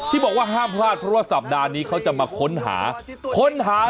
บอกว่าห้ามพลาดเพราะว่าสัปดาห์นี้เขาจะมาค้นหาค้นหา